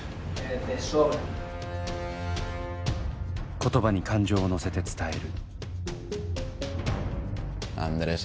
言葉に感情を乗せて伝える。